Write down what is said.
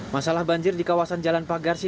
masalah banjir di kawasan jalan pagarsi